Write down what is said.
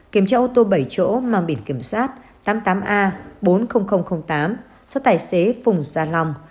kiểm tra ô tô bảy chỗ mang biển kiểm soát tám mươi tám a bốn mươi nghìn tám cho tài xế phùng gia long